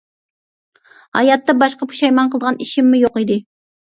ھاياتتا باشقا پۇشايمان قىلىدىغان ئىشىممۇ يوق ئىدى.